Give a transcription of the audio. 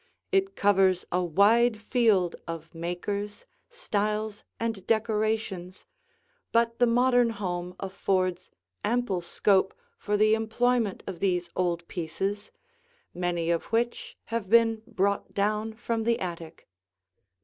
It covers a wide field of makers, styles, and decorations, but the modern home affords ample scope for the employment of these old pieces, many of which have been brought down from the attic.